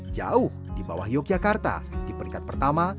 jauh di bawah yogyakarta di peringkat pertama